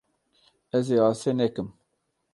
Ez ê asê nekim.